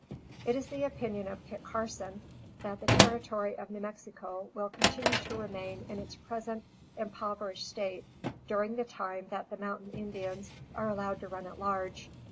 It is the opinion of Kit Carson "that the Territory of New Mexico will continue to remain in its present impoverished state during the time that the mountain Indians are allowed to run at large.